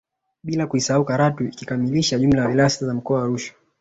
Bila kuisahau Karatu ikikamilisha jumla ya wilaya sita za mkoa wa Arusha